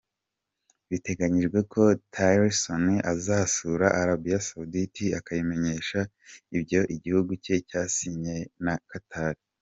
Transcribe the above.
Biteganyijwe ko Tillerson azasura na Arabia Saudite akayimenyesha ibyo igihugu cye cyasinyanye na Qatar.